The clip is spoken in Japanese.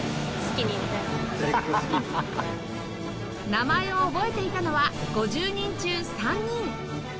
名前を覚えていたのは５０人中３人